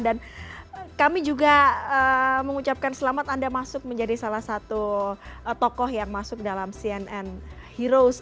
dan kami juga mengucapkan selamat anda masuk menjadi salah satu tokoh yang masuk dalam cnn heroes